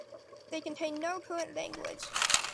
They contain no current language.